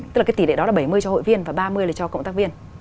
tức là cái tỷ lệ đó là bảy mươi cho hội viên và ba mươi để cho cộng tác viên